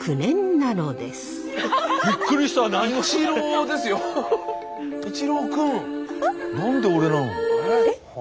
何で俺なの？